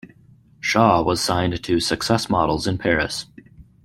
Shaw was signed to Success Models in Paris.